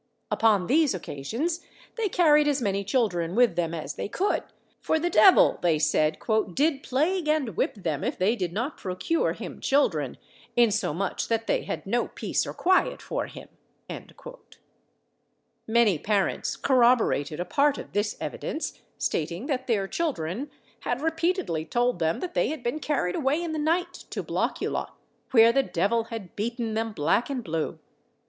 Upon these occasions they carried as many children with them as they could; for the devil, they said, "did plague and whip them if they did not procure him children, insomuch that they had no peace or quiet for him." Many parents corroborated a part of this evidence, stating that their children had repeatedly told them that they had been carried away in the night to Blockula, where the devil had beaten them black and blue.